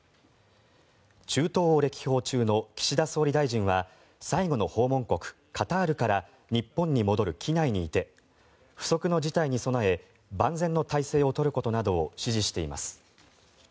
中東を歴訪中の岸田総理大臣は最後の訪問国カタールから日本に戻る機内にいて不測の事態に備え万全の態勢を取ることなどを指示しています。